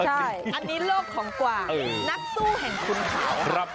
ใช่อันนี้โลกของกว่านักสู้แห่งขุนเขา